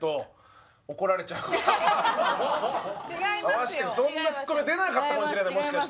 合わせてもそんなツッコミは出なかったかもしれないもしかしたら。